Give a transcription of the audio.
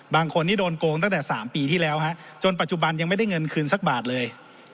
บางคนนี่โดนโกงตั้งแต่๓ปีที่แล้วฮะจนปัจจุบันยังไม่ได้เงินคืนสักบาทเลย